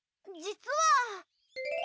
実は。